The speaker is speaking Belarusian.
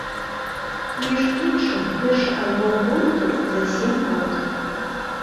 Між іншым, першы альбом гурту за сем год.